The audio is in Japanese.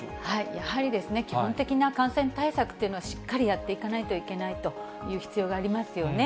やはり基本的な感染対策というのは、しっかりやっていかないといけないという必要がありますよね。